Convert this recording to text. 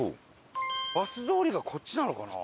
バス通りがこっちなのかな？